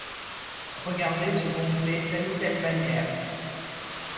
Regarder se gonfler telle ou telle bannière